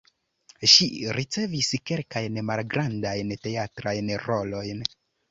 Ŝi ricevis kelkajn malgrandajn teatrajn rolojn.